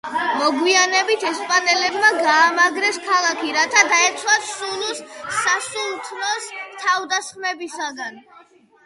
მოგვიანებით ესპანელებმა გაამაგრეს ქალაქი, რათა დაეცვათ სულუს სასულთნოს თავდასხმებისაგან.